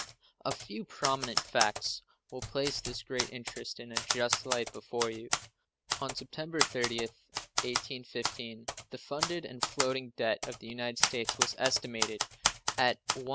A few prominent facts will place this great interest in a just light before you. On September 30th, 1815, the funded and floating debt of the United States was estimated at $119,635,558.